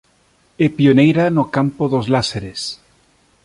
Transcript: É pioneira no campo dos láseres.